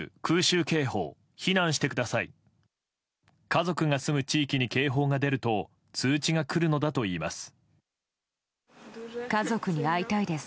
家族が住む地域に警報が出ると通知が来るのだといいます。